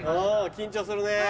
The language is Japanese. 緊張するね。